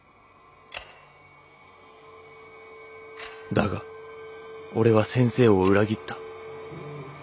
「だが俺は先生を裏切った。